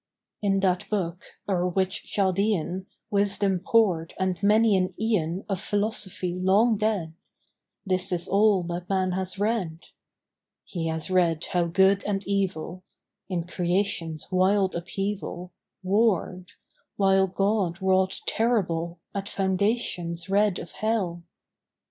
In that book, o'er which Chaldean Wisdom poured and many an eon Of philosophy long dead, This is all that man has read: He has read how good and evil, In creation's wild upheaval, Warred; while God wrought terrible At foundations red of Hell.